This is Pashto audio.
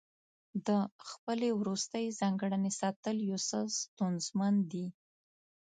د خپلې وروستۍ ځانګړنې ساتل یو څه ستونزمن دي.